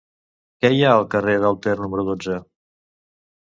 Què hi ha al carrer del Ter número dotze?